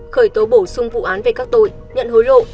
khởi tố bổ sung vụ án về các tội nhận hối lộ